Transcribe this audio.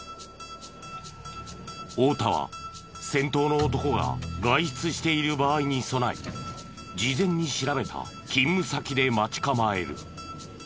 太田は先頭の男が外出している場合に備えて事前に調べた勤務先で待ち構える。